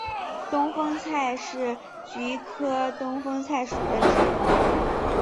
东风菜是菊科东风菜属的植物。